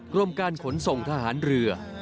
กรมการขนส่งทหารเรือ